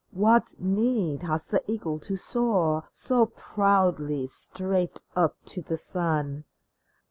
What need has the eagle to soar So proudly straight up to the sun